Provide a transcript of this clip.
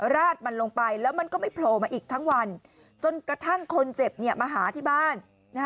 ราดมันลงไปแล้วมันก็ไม่โผล่มาอีกทั้งวันจนกระทั่งคนเจ็บมาหาที่บ้าน